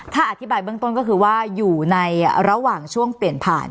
ถ้าอธิบายเบื้องต้นก็คือว่าอยู่ในระหว่างช่วงเปลี่ยนผ่าน